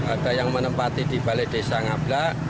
ada yang menempati di balai desa ngablak